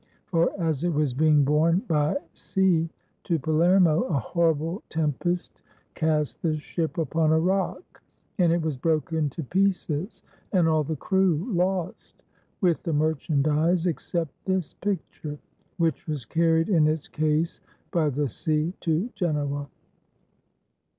For as it was being borne by sea to Palermo, a horrible tempest cast the ship upon a rock, and it was broken to pieces, and all the crew lost, with the mer chandise, except this picture, which was carried in its case by the sea to Genoa.